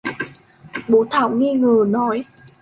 Bố Thảo nghi ngờ nói